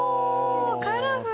カラフル！